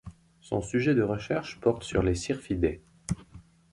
Son sujet de recherche porte sur les Syrphidae.